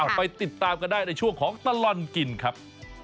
ไปติดตามกันได้ในช่วงของตลอดกินครับ